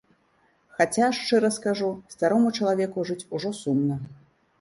Хаця, шчыра скажу, старому чалавеку жыць ужо сумна.